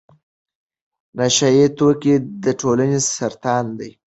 نشه يي توکي د ټولنې سرطان دی.